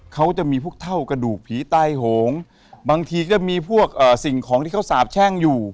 เขาจะมีพวกเท่ากระดูกผีใต้โหงบางทีก็มีพวกสิ่งของที่เขาสาบแช่งอยู่